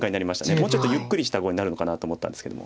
もうちょっとゆっくりした碁になるのかなと思ったんですけども。